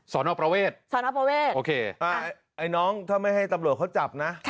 สรณประเวทไอ้น้องถ้าไม่ให้ตำรวจเขาจับนะ